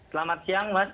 selamat siang mas